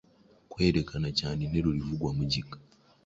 kwerekana cyane interuro ivugwa mu gika